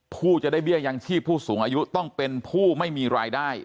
ผู้จะได้เบี้ยยังชีพผู้สูงอายุต้องเป็นผู้ไม่มีรายได้